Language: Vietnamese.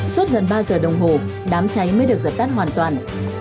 suốt gần ba giờ đồng hồ đám cháy mới được dập tắt hoàn toàn